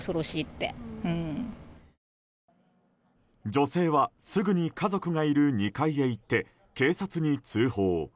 女性は、すぐに家族がいる２階へ行って警察に通報。